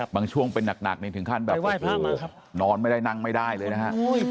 ช่วงเป็นหนักนี่ถึงขั้นแบบนอนไม่ได้นั่งไม่ได้เลยนะฮะ